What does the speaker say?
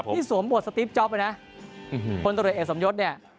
นี่สวมบทสตรีฟจอปนะคนตรวจเอกสำยศเนี่ย